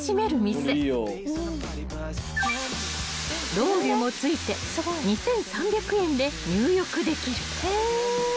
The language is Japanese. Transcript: ［ロウリュも付いて２，３００円で入浴できる］